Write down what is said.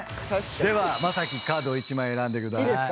では雅紀カードを１枚選んでください。